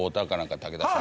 武田さんが。